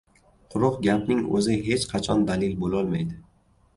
Quruq gapning o‘zi hech qachon dalil bo‘lolmaydi.